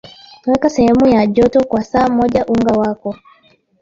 weka sehemu ya joto kwa saa moja unga wako